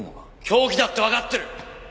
凶器だってわかってる。